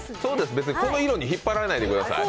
別にこの色に引っ張られないでください。